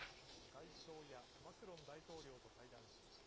外相やマクロン大統領などと会談しました。